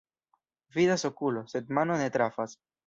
Vidas okulo, sed mano ne trafas.